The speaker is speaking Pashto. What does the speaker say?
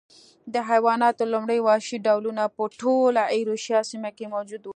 د حیواناتو لومړي وحشي ډولونه په ټوله ایرویشیا سیمه کې موجود و